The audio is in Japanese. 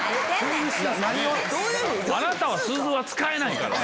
あなたはすずは使えないから。